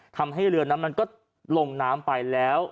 ทำให้เรือนั้นมันก็ลงน้ำไปแล้ว